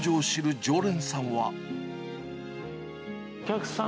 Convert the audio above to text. お客さん